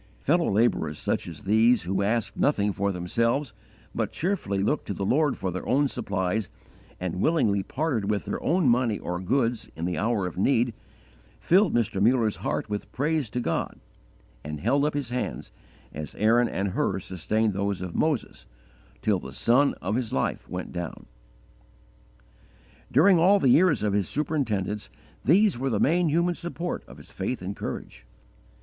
_ Fellow labourers such as these, who asked nothing for themselves, but cheerfully looked to the Lord for their own supplies, and willingly parted with their own money or goods in the hour of need, filled Mr. Muller's heart with praise to God, and held up his hands, as Aaron and Hur sustained those of Moses, till the sun of his life went down. During all the years of his superintendence these were the main human support of his faith and courage.